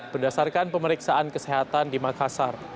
berdasarkan pemeriksaan kesehatan di makassar